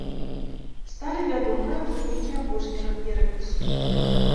Сталі вядомыя вынікі апошняга перапісу.